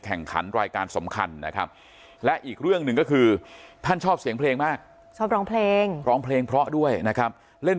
แข่งขันรายการสำคัญนะครับและอีกเรื่องหนึ่งก็คือท่านชอบเสียงเพลงมากชอบร้องเพลงร้องเพลงเพราะด้วยนะครับเล่น